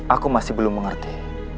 aku masih belum mengerti